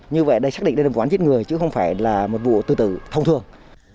như vậy đây xác định đây là vụ án giết người chứ không phải là một vụ tư tử thông thường